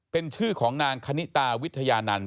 เป็นชื่อของนางคณิตาวิทยานันต